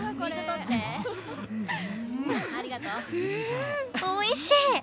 うんおいしい！